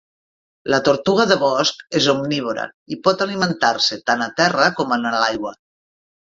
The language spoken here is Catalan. La tortuga de bosc és omnívora i pot alimentar-se tant a terra com en l'aigua.